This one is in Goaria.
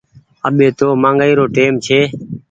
اٻي تو مآگآئي رو ٽيم ڇي۔